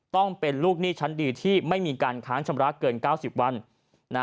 ต้องเป็นลูกหนี้ชั้นดีที่ไม่มีการค้างชำระเกิน๙๐วัน